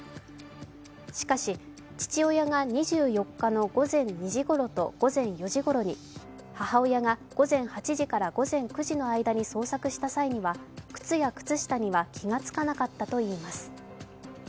しかし、父親が２４日の午前２時ごろと、午前４時ごろに母親が、午前８時から午前９時の間に捜索した際には靴や靴下には気がつかなかったといいます。